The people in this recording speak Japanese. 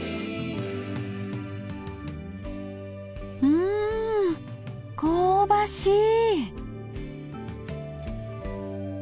うん香ばしい。